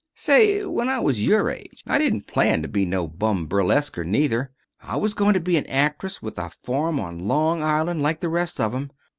Say, when I was your age I didn't plan to be no bum burlesquer neither. I was going to be an actress, with a farm on Long Island, like the rest of 'em.